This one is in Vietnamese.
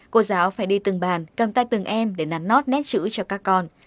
cô giáo phải đi từng bàn cầm tay từng em để nắn nót nét chữ cho các con